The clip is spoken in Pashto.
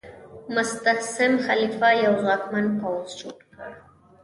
مستعصم خلیفه یو ځواکمن پوځ جوړ کړ.